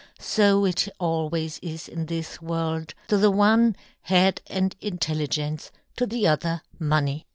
So it always is in " this world. To the one, head and " intelligence, to the other money